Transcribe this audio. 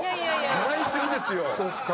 ⁉払い過ぎですよ。